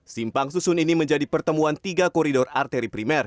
simpang susun ini menjadi pertemuan tiga koridor arteri primer